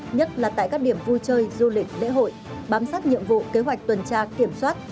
nhất là tại các điểm vui chơi du lịch lễ hội bám sát nhiệm vụ kế hoạch tuần tra kiểm soát